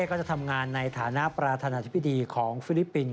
ก็จะทำงานในฐานะประธานาธิบดีของฟิลิปปินส